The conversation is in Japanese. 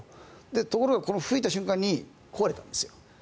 ところが噴いた瞬間に壊れたんですよ。